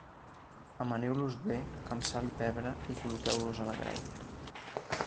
Amaniu-los bé amb sal i pebre i col·loqueu-los a la graella.